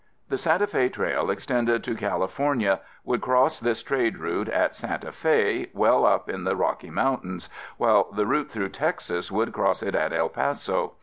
The Santa Fe Trail extended to California, would cross this trade route at Santa Fe, well up in the Rocky Mountains, while the route through Texas would cross it at El Paso.